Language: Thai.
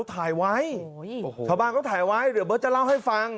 ชาวบ้านเค้าถ่ายไว้เดี๋ยวเบอร์ทจะเล่าให้ฟัง